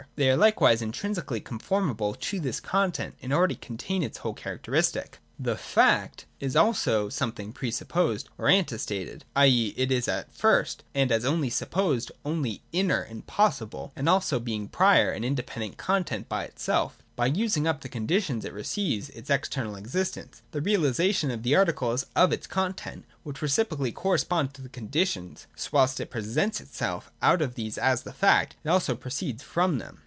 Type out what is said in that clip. They are likewise intrinsically conformable to this content, and already contain its whole characteristic. b. The Fact is also (a) something pre supposed or ante stated, i. e. it is at first, and as supposed, only inner and possible, and also, being prior, an independent con tent by itself (/3) By using up the conditions, it receives its external existence, the realisation of the articles of its content, which reciprocally correspond to the conditions, so that whilst it presents itself out of these as the fact, it also proceeds from them.